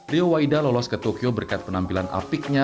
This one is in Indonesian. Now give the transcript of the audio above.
rio waida lolos ke tokyo berkat penampilan apiknya